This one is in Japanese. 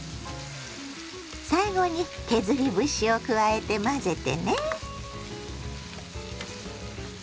最後に削り節を加えて混ぜてね。